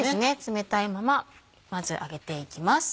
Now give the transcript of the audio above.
冷たいまままず揚げていきます。